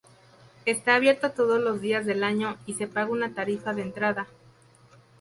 Está abierto todos los días del año y se paga una tarifa de entrada.